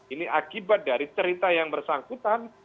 ini akibat dari cerita yang bersangkutan